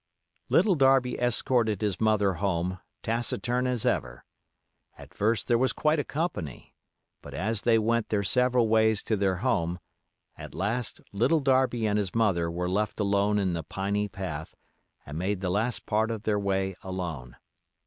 Little Darby escorted his mother home, taciturn as ever. At first there was quite a company; but as they went their several ways to their home, at last Little Darby and his mother were left alone in the piney path, and made the last part of their way alone.